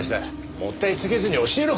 もったいつけずに教えろコラ！